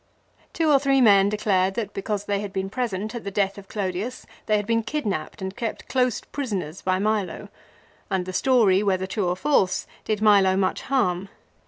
Two or three men declared that because they had been present at the death of Clodius they had been kidnapped and kept close prisoners by Milo ; and the story, whether true or false, did Milo much harm.